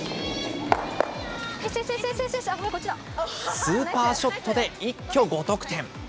スーパーショットで一挙５得点。